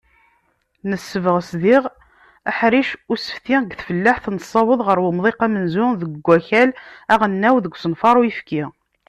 Nessebɣes diɣ aḥric n usefti deg tfellaḥt, nessaweḍ ɣar umḍiq amenzu deg wakal aɣelnaw deg usafar n uyefki.